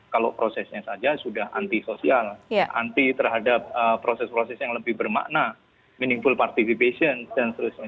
kalau prosesnya saja sudah antisosial anti terhadap proses proses yang lebih bermakna meaningful participation dan seterusnya